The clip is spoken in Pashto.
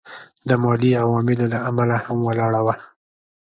د مالي عواملو له امله هم ولاړه وه.